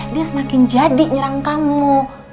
dia semakin jadi nyerang kamu